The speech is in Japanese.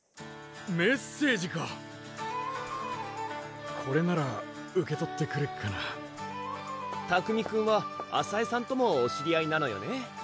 メッセージかこれなら受け取ってくれっかな拓海くんは麻恵さんともお知り合いなのよね？